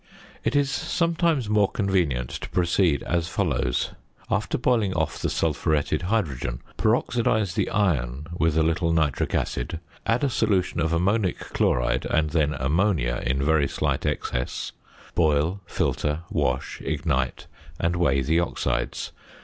It is sometimes more convenient to proceed as follows: After boiling off the sulphuretted hydrogen peroxidise the iron with a little nitric acid, add a solution of ammonic chloride, and then ammonia in very slight excess; boil, filter, wash, ignite, and weigh the oxides.